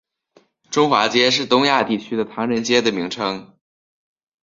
中华街是东亚地区的唐人街的名称。